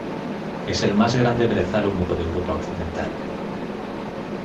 Es el más grande brezal húmedo de Europa Occidental.